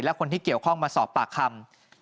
และคนที่เกี่ยวข้องมาสอบปากคำ